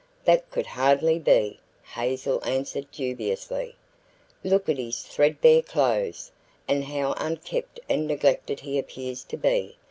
"That could hardly be," Hazel answered dubiously. "Look at his threadbare clothes, and how unkempt and neglected he appears to be.